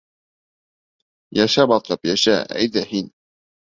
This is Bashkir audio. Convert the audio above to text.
Йәшә балҡып, йәшә, әйҙә, һин!